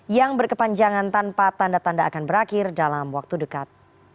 yang berkepanjangan tanpa tanda tanda akan berakhir dalam waktu dekat